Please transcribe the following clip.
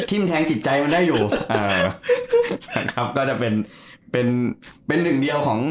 ที่มันแท้งจิตใจมันได้อยู่เอ่อครับก็จะเป็นเป็นเป็นหนึ่งเดียวของ